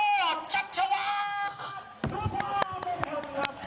รอดชัดฉลาด